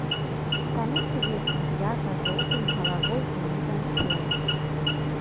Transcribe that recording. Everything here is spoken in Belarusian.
Самец увесну з ярка-жоўтымі галавой і нізам цела.